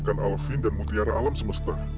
menyerahkan alvin dan putihara alam semesta